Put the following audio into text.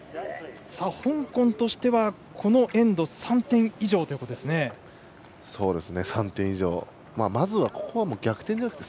香港としてはこのエンド３点以上ということですね。